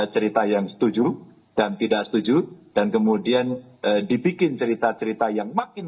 cerita yang setuju dan tidak setuju dan kemudian dibikin cerita cerita yang makin